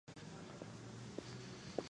ناشکري نعمتونه کموي.